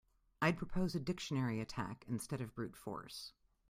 I'd propose a dictionary attack instead of brute force.